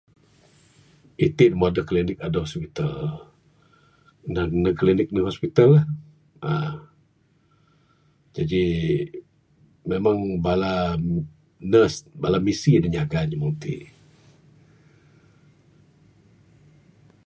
Itin meh adeh klinik meh adeh hospital naung neg klinik ngn hospital lah uhh jaji memang bala nurse bala misi nyaga inya meng ti